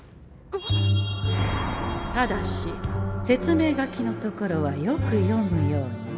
ただし説明書きのところはよく読むように。